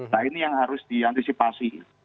nah ini yang harus diantisipasi